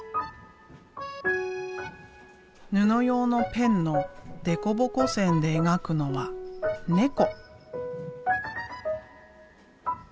布用のペンのデコボコ線で描くのは「猫」。